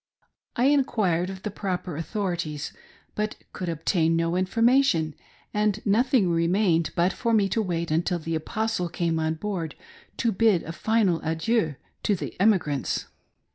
I enquired of the proper authorities, but could obtain no information, and nothing remained but for me to wait until the Apostle came on board to bid a final adieu to the emigrants.